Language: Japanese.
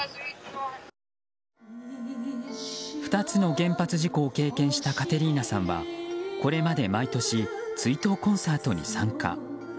２つの原発事故を経験したカテリーナさんはこれまで毎年追悼コンサートに参加。